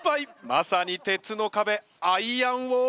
まさに鉄の壁アイアンウォール。